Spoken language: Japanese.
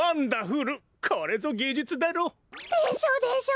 でしょでしょ！